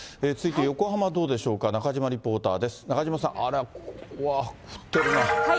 続いて横浜、どうでしょうか、中島リポーターです。